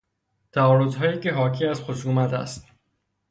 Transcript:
تعارضهایی که حاکی از خصومت است